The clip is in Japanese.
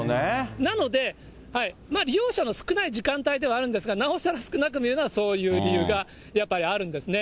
なので、利用者の少ない時間帯ではあるんですが、なおさら少なく見えるのはそういう理由がやっぱりあるんですね。